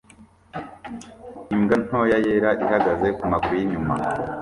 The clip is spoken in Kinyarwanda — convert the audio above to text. Imbwa ntoya yera ihagaze kumaguru yinyuma